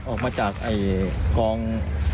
ออกมาจากกอง